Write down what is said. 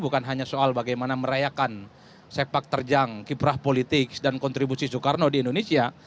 bukan hanya soal bagaimana merayakan sepak terjang kiprah politik dan kontribusi soekarno di indonesia